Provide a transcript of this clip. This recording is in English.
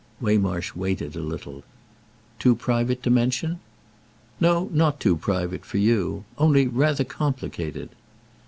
Waymarsh waited a little. "Too private to mention?" "No, not too private—for you. Only rather complicated."